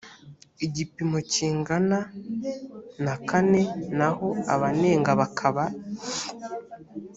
gipimo kingana na kane naho abanenga bakaba